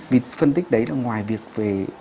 vì phân tích đấy là ngoài việc về